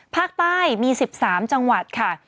ภาคใต้มี๑๓จังหวัดค่ะ